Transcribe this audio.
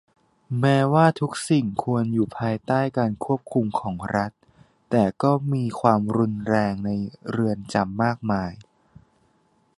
แม้ว่าทุกสิ่งควรอยู่ภายใต้การควบคุมของรัฐ แต่ก็มีความรุนแรงในเรือนจำมากมาย